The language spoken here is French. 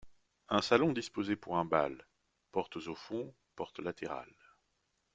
Un salon disposé pour un bal. — Portes au fond ; portes latérales.